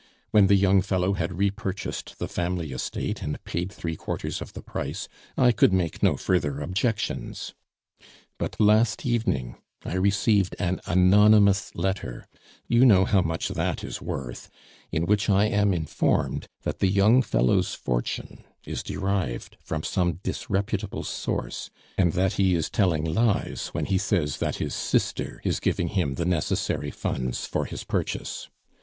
When the young fellow had repurchased the family estate and paid three quarters of the price, I could make no further objections. "But last evening I received an anonymous letter you know how much that is worth in which I am informed that the young fellow's fortune is derived from some disreputable source, and that he is telling lies when he says that his sister is giving him the necessary funds for his purchase.